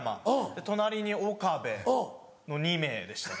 隣に「岡部」の２名でしたね。